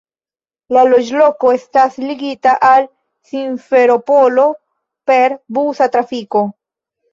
La loĝloko estas ligita al Simferopolo per busa trafiko.